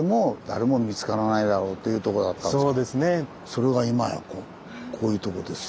それが今やこういうとこですよ。